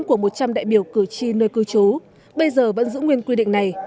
của một trăm linh đại biểu cử tri nơi cư trú bây giờ vẫn giữ nguyên quy định này